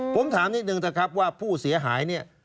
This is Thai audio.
ผมถามนิดหนึ่งครับว่าผู้เสียหาย